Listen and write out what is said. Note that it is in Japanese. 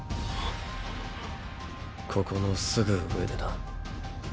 ここのすぐ上でな。